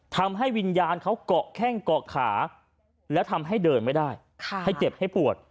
ทำให้วิญญาณเขาเกาะแข้งเกาะขาแล้วทำให้เดินไม่ได้ให้เจ็บให้ปวด